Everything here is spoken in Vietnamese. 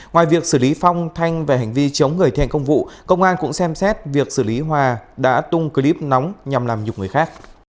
ngoài việc xử lý phong thanh về hành vi chống người thi hành công vụ công an cũng xem xét việc xử lý hòa đã tung clip nóng nhằm làm nhục người khác